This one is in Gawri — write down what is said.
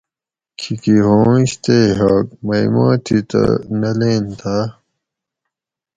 کِھیکی ہُوانش تے ہوگ مئی ما تھی تہ نہ لینتاۤ